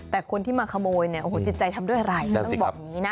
แต่คนที่มาขโมยเนี่ยโอ้โหจิตใจทำด้วยอะไรต้องบอกอย่างนี้นะ